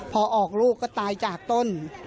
พอออกลูกก็ตายจากต้น